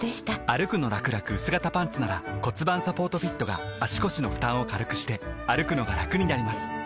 「歩くのらくらくうす型パンツ」なら盤サポートフィットが足腰の負担を軽くしてくのがラクになります覆个△